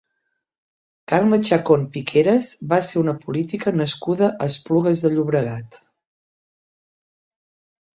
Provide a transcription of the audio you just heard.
Carme Chacón Piqueras va ser una política nascuda a Esplugues de Llobregat.